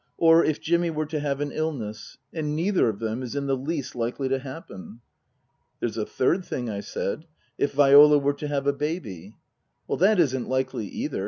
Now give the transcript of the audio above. Or if Jimmy were to have an illness ; and neither of them is in the least likely to happen." " There's a third thing," I said " if Viola were to have a baby." " That isn't likely either.